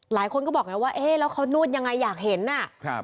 หลายคนก็บอกไงว่าเอ๊ะแล้วเขานวดยังไงอยากเห็นอ่ะครับ